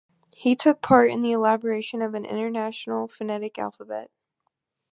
He took part in the elaboration of the International Phonetic Alphabet.